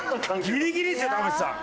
ギリギリですよ田渕さん。